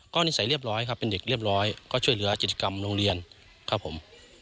นิสัยเรียบร้อยครับเป็นเด็กเรียบร้อยก็ช่วยเหลือกิจกรรมโรงเรียนครับผม